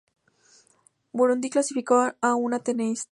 Burundi clasificó a una tenista.